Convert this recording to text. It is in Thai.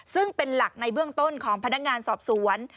ซึ่งเป็นหลักในเบื้องต้นของพนักงานสอบสวน